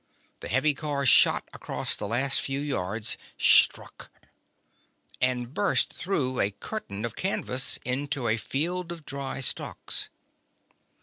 The heavy car shot across the last few yards, struck And burst through a curtain of canvas into a field of dry stalks.